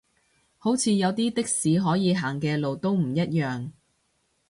好似有啲的士可以行嘅路都唔一樣